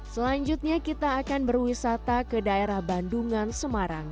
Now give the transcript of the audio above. selanjutnya kita akan berwisata ke daerah bandungan semarang